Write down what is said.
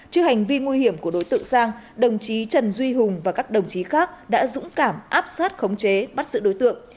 trước hành vi nguy hiểm của đối tượng sang đồng chí trần duy hùng và các đồng chí khác đã dũng cảm áp sát khống chế bắt giữ đối tượng